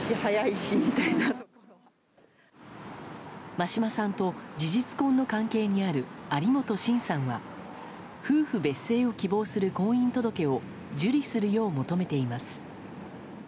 真島さんと事実婚の関係にある有本信さんは夫婦別姓を希望する婚姻届を受理するよう求めています。